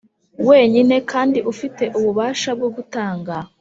wenyine kandi ufite ububasha bwo gutanga